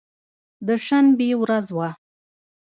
د شنبې ورځ وه.